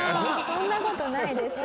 そんな事ないです。